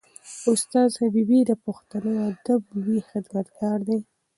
استاد حبیبي د پښتو ادب لوی خدمتګار دی.